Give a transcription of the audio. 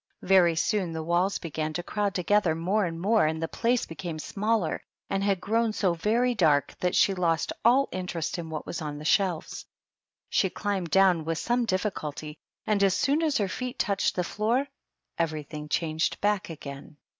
Very soon the walls began to crowd together more and more, and the place be came smaller, and had grown so very dark that she lost all interest in what was on the shelves. She climbed down with some difficulty, and as soon as her feet touched the floor everything changed back again.